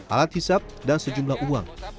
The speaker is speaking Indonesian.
alat hisap dan sejumlah uang